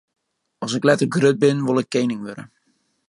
As ik letter grut bin, wol ik kening wurde.